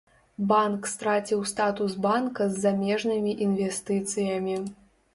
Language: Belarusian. Банк страціў статус банка з замежнымі інвестыцыямі.